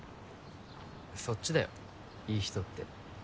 そっちだよいい人って。